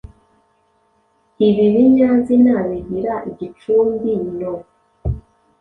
Ibi binyazina bigira igicumbi –no.